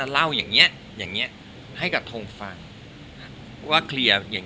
เล่าอย่างเงี้ยอย่างเงี้ยให้กระทงฟังว่าเคลียร์อย่าง